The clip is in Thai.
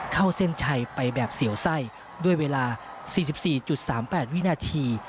เข้าเส้นชัยไปแบบเสียวไส้ด้วยเวลา๔๔๓๘วินาที